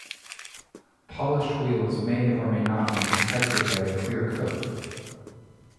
Polished wheels may or may not be protected by a clear coat.